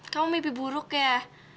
kamu mimpi buruk ya